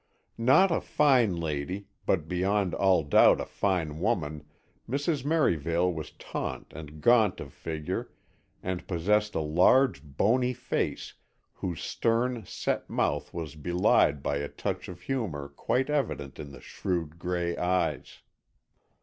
Not a fine lady, but beyond all doubt a fine woman, Mrs. Merivale was tall and gaunt of figure and possessed a large, bony face whose stern, set mouth was belied by a touch of humour quite evident in the shrewd gray eyes.